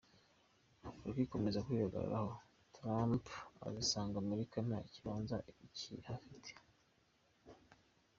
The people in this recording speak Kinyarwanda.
Afurika nikomeza kwihagararaho, Trump azisanga Amerika nta kibanza ikihafite.